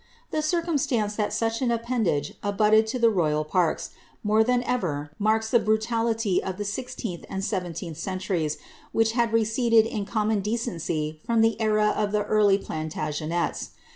The circnm stance tliat such an appendage abutted on the royal parks, more than ever marks the brutality of the 1 6th and 17th centuries, which had much receded in common decency from the era of the early Pknta* genets.